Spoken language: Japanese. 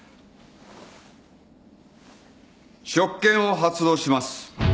職権を発動します。